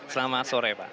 selamat sore pak